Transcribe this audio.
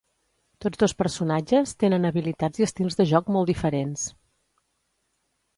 Tots dos personatges tenen habilitats i estils de joc molt diferents.